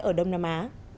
ở đông nam á